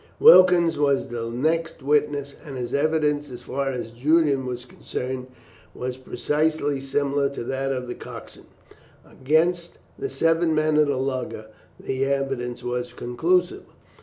Wilkens was the next witness, and his evidence, as far as Julian was concerned, was precisely similar to that of the coxswain. Against the seven men of the lugger the evidence was conclusive.